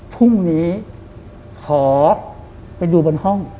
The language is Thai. พรุ่งนี้ขอไปดูบนห้อง